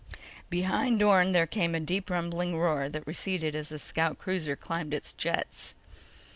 Behind Orne, there came a deep rumbling roar that receded as the scout cruiser climbed its jets.